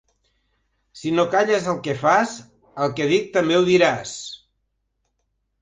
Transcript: Si no calles el que fas, el que dic també ho diràs.